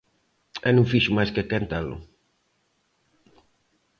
E non fixo máis que quentalo.